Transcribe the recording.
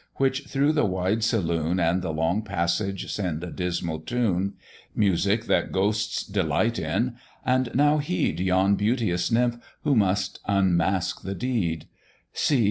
which through the wide saloon And the long passage send a dismal tune, Music that ghosts delight in; and now heed Yon beauteous nymph, who must unmask the deed; See!